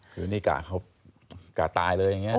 คือนี่กะเขากะตายเลยอย่างนี้